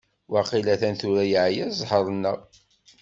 Waqil atan tura i yeεya ẓẓher-nneɣ.